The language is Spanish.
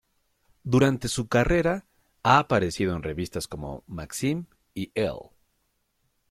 Durante su carrera, ha aparecido en revistas como "Maxim" y "Elle".